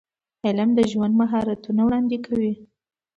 علم د ژوند مهارتونه وړاندې کوي.